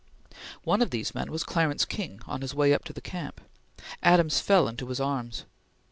One of these men was Clarence King on his way up to the camp. Adams fell into his arms.